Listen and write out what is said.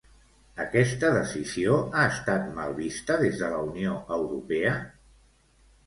Aquesta decisió ha estat mal vista des de la Unió Europea?